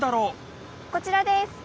こちらです！